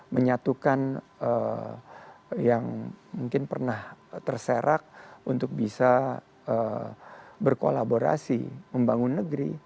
menyatukan yang mungkin pernah terserak untuk bisa berkolaborasi membangun negeri